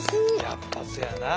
やっぱそやな。